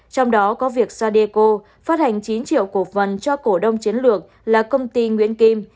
trong đó có việc sadeco phát hành chín triệu cổ phần cho cổ đông chiến lược là công ty nguyễn kim